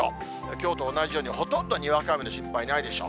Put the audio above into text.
きょうと同じように、ほとんどにわか雨の心配ないでしょう。